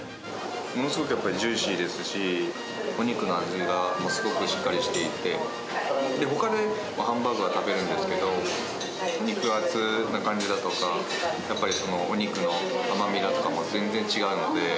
ものすごくやっぱりジューシーですし、お肉の味がすごくしっかりしていて、ほかでもハンバーグは食べるんですけど、肉厚な感じだとか、やっぱりお肉の甘みだとかも全然違うので。